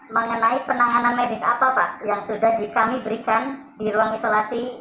mengenai penanganan medis apa pak yang sudah kami berikan di ruang isolasi